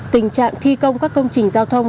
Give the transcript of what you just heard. tình trạng thi công các công trình giao thông